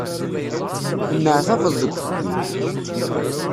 Tenneɛtabeḍ deg uxeddim.